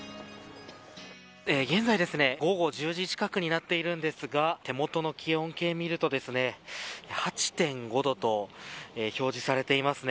現在、午後１０時近くになっているんですが手元の気温計を見ると８．５度と表示されていますね。